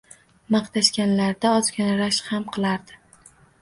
Maqtashganlarida ozgina rashk ham qilardik.